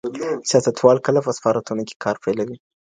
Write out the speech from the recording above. سیاستوال کله په سفارتونو کي کار پیلوي؟